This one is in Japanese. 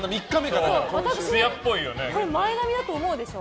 これ、前髪だと思うでしょ。